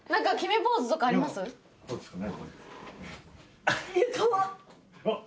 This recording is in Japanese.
こうですかね？